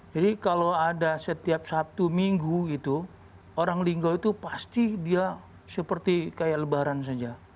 jadi kalau ada setiap sabtu minggu gitu orang linggau itu pasti dia seperti kayak lebaran saja